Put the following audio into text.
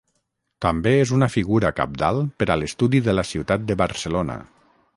També és una figura cabdal per a l'estudi de la ciutat de Barcelona.